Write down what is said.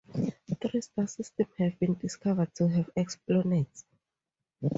Three star systems have been discovered to have exoplanets.